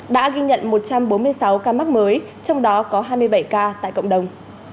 đã ghi nhận một trăm bốn mươi sáu ca mắc mới trong đó có hai mươi bảy ca tại cộng đồng